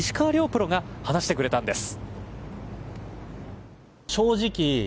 プロが話してくれたんです。